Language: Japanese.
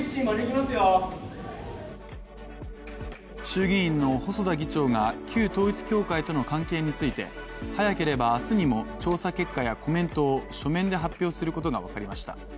衆議院の細田議長が旧統一教会との関係について早ければ明日にも調査結果やコメントを書面で発表することが分かりました。